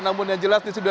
namun yang jelas disini